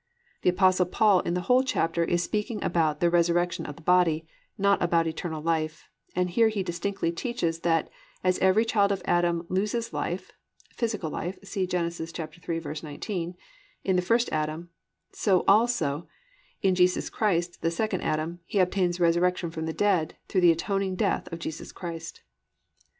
"+ The Apostle Paul in the whole chapter is speaking about the resurrection of the body, not about eternal life, and he here distinctly teaches that as every child of Adam loses life (physical life—see Gen. 3:19) in the first Adam, so also in Jesus Christ, the second Adam, he obtains resurrection from the dead, through the atoning death of Jesus Christ.